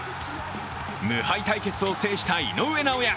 無敗対決を制した井上尚弥。